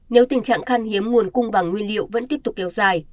nếu tình trạng khan hiếm nguồn cung vàng nguyên liệu vẫn tiếp tục kéo dài